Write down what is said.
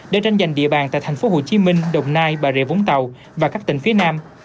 để tranh giành địa bàn tại tp hcm đồng nai bà rịa vũng tàu và các tỉnh phía nam